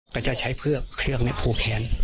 ก็จะใช้เครื่องนี้พูดแขน